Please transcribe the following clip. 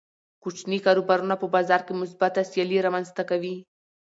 کوچني کاروبارونه په بازار کې مثبته سیالي رامنځته کوي.